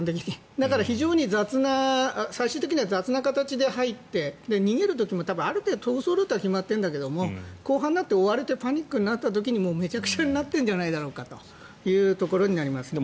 だから非常に最終的に雑な形で入って逃げる時もある程度逃走ルートは決まってるんだけど後半になって追われてパニックになった時にめちゃくちゃになってるんじゃないかということになりますね。